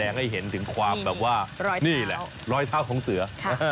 นี่แหละรอยเท้าของเสือ